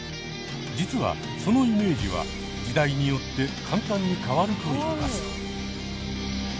実はそのイメージは時代によって簡単に変わると言います。